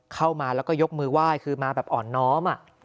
เข้ามาแล้วก็ยกมือไหว้คือมาแบบอ่อนน้อม